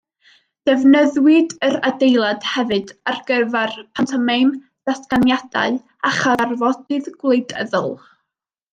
Defnyddiwyd yr adeilad hefyd ar gyfer pantomeim, datganiadau a chyfarfodydd gwleidyddol.